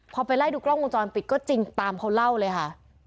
พอไปไล่ดูกล้องวงจรปิดก็จริงตามเขาเล่าเลยค่ะ